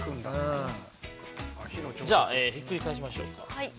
◆じゃあ、ひっくり返しましょうか。